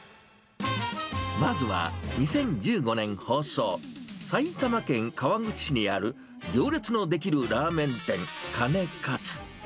まずは２０１５年放送、埼玉県川口市にある、行列の出来るラーメン店、かねかつ。